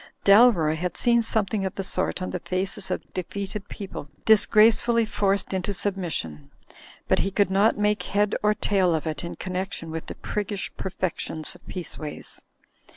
Dalroy had seen something of the sort on the faces of defeated people disgracefully forced into submis sion, but he could not make head or tail of it in connection with the priggish perfections of Peaceways.